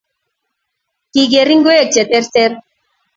Kigigeer ingwek che terter